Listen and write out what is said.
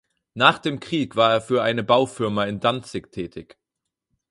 Nach dem Krieg war er für eine Baufirma in Danzig tätig.